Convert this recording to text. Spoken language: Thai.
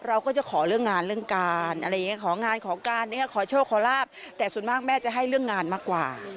เราก็จะขอเรื่องงานเรื่องการอะไรอย่างนี้ของานขอการขอโชคขอลาบแต่ส่วนมากแม่จะให้เรื่องงานมากกว่า